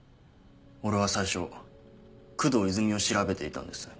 俺は最初工藤泉を調べていたんです。